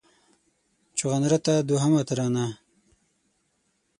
چونغرته دوهمه ترانه